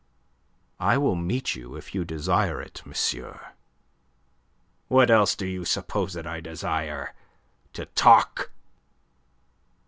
I will meet you if you desire it, monsieur." "What else do you suppose that I desire? To talk?"